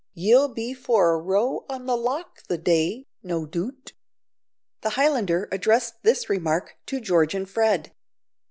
Ye'll be for a row on the loch the day, no doot." The Highlander addressed this remark to George and Fred.